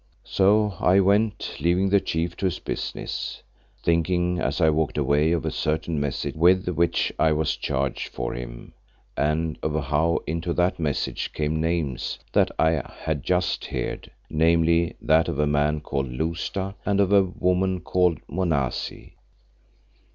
So I went, leaving the Chief to his business, thinking as I walked away of a certain message with which I was charged for him and of how into that message came names that I had just heard, namely that of a man called Lousta and of a woman called Monazi.